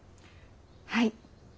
はい。